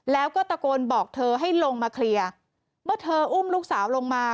แล้วก็ตะโกนบอกเธอให้ลงมาเคลียร์เมื่อเธออุ้มลูกสาวลงมา